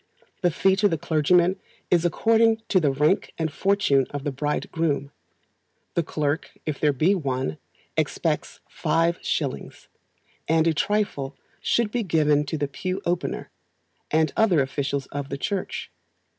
The fee to a clergyman is according to the rank and fortune of the bridegroom; the clerk if there be one, expects five shillings, and a trifle should be given to the pew opener, and other officials of the church.